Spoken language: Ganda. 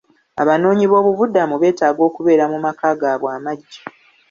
Abanoonyi b'obubuddamu beetaaga okubeera mu maka gaabwe amagya.